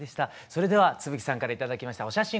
それでは津吹さんから頂きましたお写真